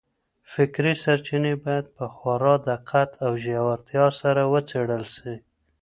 فکري سرچينې بايد په خورا دقت او ژورتيا سره وڅېړل سي.